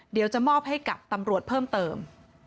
เดี๋ยวจะมอบให้กับตำรวจเพิ่มเติม